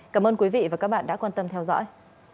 cảm ơn quý vị và các bạn đã quan tâm theo dõi